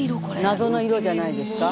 謎の色じゃないですか？